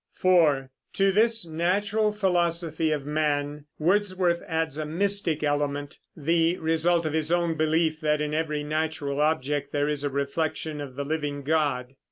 (4) To this natural philosophy of man Wordsworth adds a mystic element, the result of his own belief that in every natural object there is a reflection of the living God.